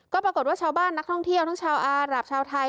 ก็ปรากฏว่าชาวบ้านนักท่องเที่ยวทั้งชาวอารับชาวไทย